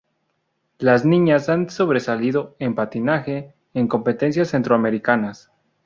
Las niñas han sobresalido en patinaje en competencias centroamericanas.